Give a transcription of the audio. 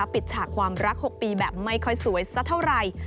ฉากความรัก๖ปีแบบไม่ค่อยสวยสักเท่าไหร่